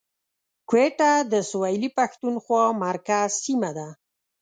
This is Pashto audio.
کوټه د سویلي پښتونخوا مرکز سیمه ده